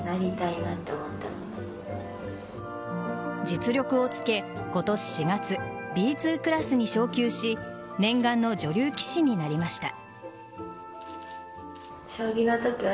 実力をつけ、今年４月Ｂ２クラスに昇級し念願の女流棋士になりました。